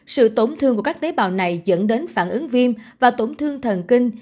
sự tổn thương của các tế bào này dẫn đến phản ứng viêm và tổn thương thần kinh